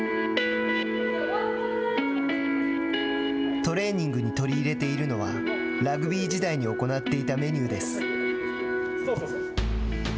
トレーニングに取り入れているのはラグビー時代に行っていたメニューです。